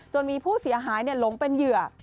มีผู้เสียหายหลงเป็นเหยื่อ